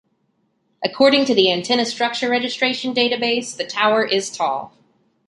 According to the Antenna Structure Registration database, the tower is tall.